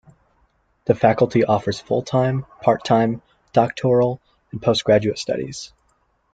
The Faculty offers full-time, part-time, doctoral and postgraduate studies.